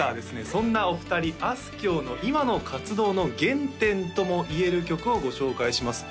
そんなお二人あすきょうの今の活動の原点とも言える曲をご紹介します